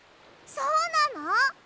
そうなの！？